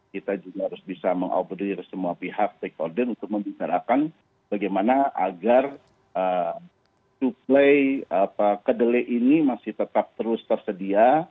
kita juga harus bisa meng update semua pihak take order untuk membicarakan bagaimana agar supply kedelai ini masih tetap terus tersedia